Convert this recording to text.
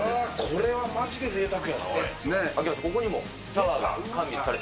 これはまじでぜいたくやな、これ。